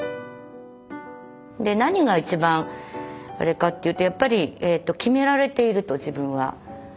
何が一番あれかというとやっぱり決められていると自分は。